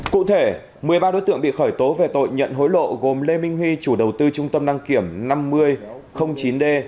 cụ thể một mươi ba đối tượng bị khởi tố về tội nhận hối lộ gồm lê minh huy chủ đầu tư trung tâm đăng kiểm năm mươi chín d